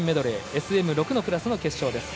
ＳＭ６のクラスの決勝です。